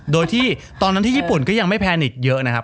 โดยที่ตอนนั้นที่ญี่ปุ่นก็ยังไม่แพนิกเยอะนะครับ